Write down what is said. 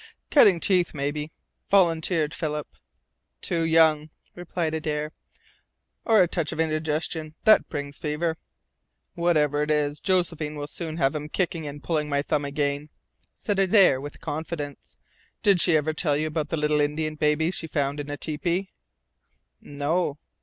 "Cutting teeth, mebby," volunteered Philip. "Too young," replied Adare. "Or a touch of indigestion, That brings fever." "Whatever it is, Josephine will soon have him kicking and pulling my thumb again," said Adare with confidence. "Did she ever tell you about the little Indian baby she found in a tepee?" "No."